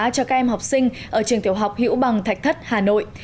cho các em học sinh ở trường tiểu học hữu bằng thạch thất hà nội